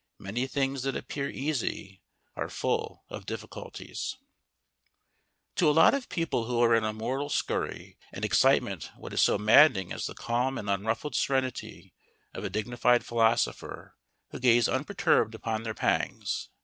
Many things that appear easy are full of difficulties._ To a lot of people who are in a mortal scurry and excitement what is so maddening as the calm and unruffled serenity of a dignified philosopher who gazes unperturbed upon their pangs?